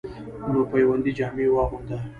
نو پیوندي جامې واغوندۀ،